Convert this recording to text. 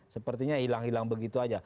sepertinya hilang hilang begitu saja